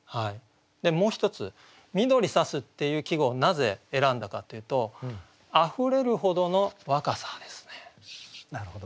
でもう一つ「緑さす」っていう季語をなぜ選んだかというと「あふれるほどの若さ」ですね。